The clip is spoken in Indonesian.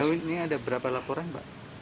ini ada berapa laporan pak